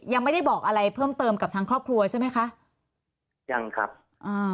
ยังไม่ได้บอกอะไรเพิ่มเติมกับทางครอบครัวใช่ไหมคะยังครับอ่า